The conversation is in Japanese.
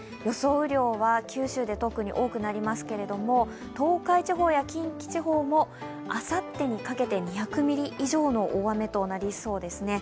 雨量は九州で特に多くなりますけど東海地方や近畿地方もあさってにかけて２００ミリ以上の大雨となりそうですね。